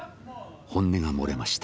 本音が漏れました。